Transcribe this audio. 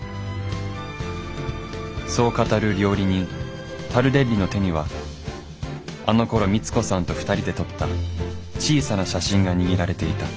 そう語る料理人タルデッリの手にはあのころ光子さんと２人で撮った小さな写真が握られていた。